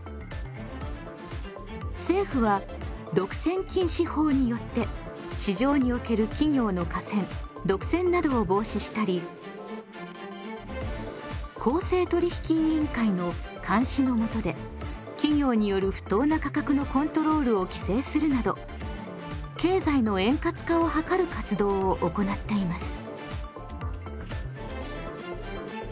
政府は独占禁止法によって市場における企業の寡占・独占などを防止したり公正取引委員会の監視の下で企業による不当な価格のコントロールを規制するなど経済の円滑化をはかる活動を行っています。